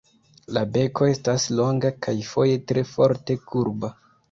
La beko estas longa kaj foje tre forte kurba.